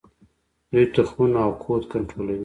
دوی تخمونه او کود کنټرولوي.